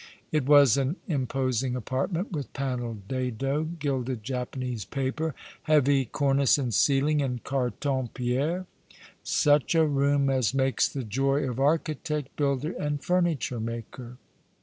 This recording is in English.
It was an imposing apartment, with panelled dado, gilded Japanese paper, heavy cornice and ceiling, in carton lyii'rre — such a room as makes the joy of architect, builder, and furniture maker.